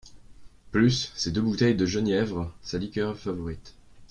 Plus, ces deux bouteilles de genièvre… sa liqueur favorite.